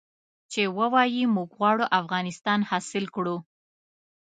چې ووايي موږ غواړو افغانستان حاصل کړو.